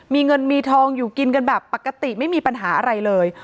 มีเงินมีทองอยู่กินกันแบบปกติไม่มีปัญหาอะไรเลย